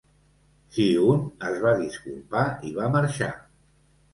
Si-Hun es va disculpar i va marxar.